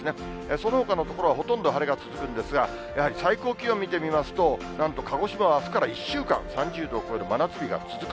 そのほかの所はほとんど晴れが続くんですが、やはり最高気温見てみますと、なんと鹿児島はあすから１週間、３０度を超える真夏日が続く。